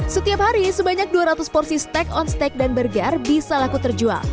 setelah diberikan banyak porsi makanan yang lebih enak juga bisa diberikan